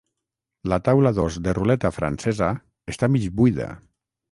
La taula dos de ruleta francesa està mig buida.